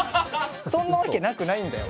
そんなわけなくないんだよ。